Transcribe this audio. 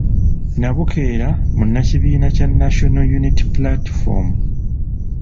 Nabukeera munnakibiina kya National Unity Platform